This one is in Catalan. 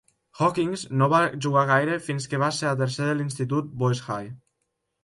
Hawkins no va jugar gaire fins que va ser a tercer de l'institut Boys High.